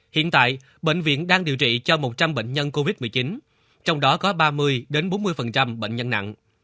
hiện tại bệnh viện đang điều trị cho một trăm linh bệnh nhân covid một mươi chín trong đó có ba mươi bốn mươi bệnh nhân nặng